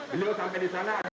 beliau sampai disana